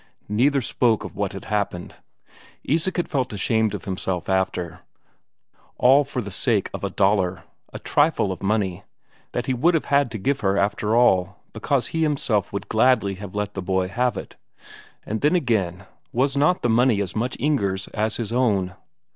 Neither spoke of what had happened. Isak had felt ashamed of himself after all for the sake of a Daler, a trifle of money, that he would have had to give her after all, because he himself would gladly have let the boy have it. And then again was not the money as much Inger's as his own?